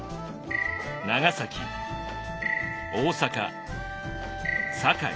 長崎大坂堺